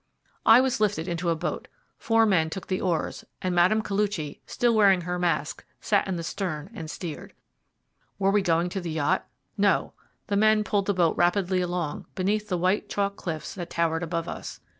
I was lifted into a boat. Four men took the oars, and Madame Koluchy, still wearing her mask, sat in the stern and steered. Were we going to the yacht? No. The men pulled the boat rapidly along, beneath the white chalk cliffs that towered above us.